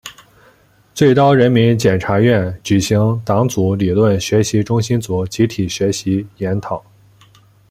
最高人民检察院举行党组理论学习中心组集体学习研讨